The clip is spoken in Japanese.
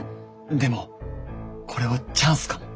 でもこれはチャンスかも。